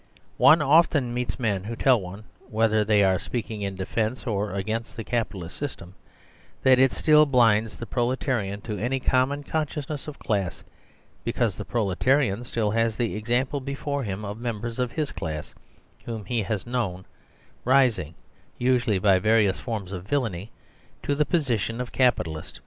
One often meets men who tell one, whether they are speaking in defence of or a gainst the Capitalist system, that it still blinds the proletarian to any common consciousness of class, because the proletarian still has the example before him of members of his class, whom he has known, rising (usuallyby various forms of villainy) to the posi tion of capitalist.